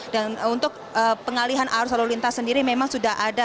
dan untuk pengalihan arus lalu lintas sendiri memang sudah ada